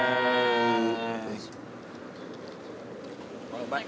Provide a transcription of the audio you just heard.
うまい。